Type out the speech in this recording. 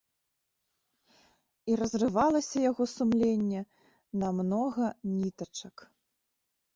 І разрывалася яго сумленне на многа нітачак.